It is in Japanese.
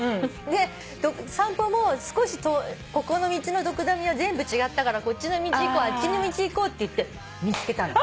で散歩もここの道のドクダミは全部違ったからこっちの道行こうあっちの道行こうっていって見つけたの。